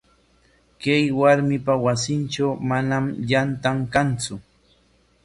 Kay warmipa wasintraw manam yantan kantsu.